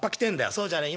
そうじゃねえ。